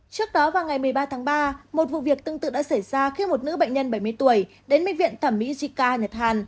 trước đó vào ngày một mươi ba tháng ba một vụ việc tương tự đã xảy ra khi một nữ bệnh nhân bảy mươi tuổi đến bệnh viện thẩm mỹ jica nhật hàn